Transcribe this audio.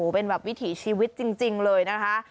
เป็นแบบวิถีชีวิตจริงเลยนะคะ